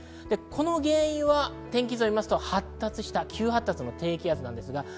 この原因は天気図を見ると発達した急発達の低気圧です。